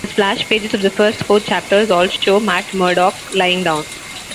The splash pages of the first four chapters all show Matt Murdock lying down.